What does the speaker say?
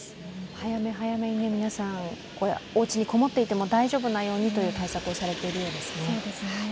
早め早めに皆さん、おうちにこもっても大丈夫なように対策されているようですね。